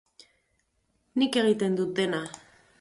Nik egiten dut dena.